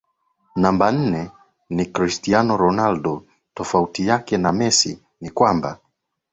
Namba Nne ni Christiano Ronaldo tofauti yake na Messi ni kwamba